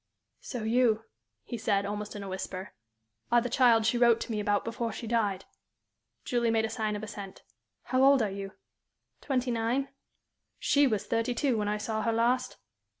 "So you," he said, almost in a whisper, "are the child she wrote to me about before she died?" Julie made a sign of assent. "How old are you?" "Twenty nine." "She was thirty two when I saw her last."